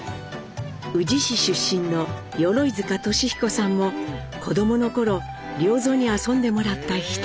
宇治市出身の鎧塚俊彦さんも子どもの頃良三に遊んでもらった一人。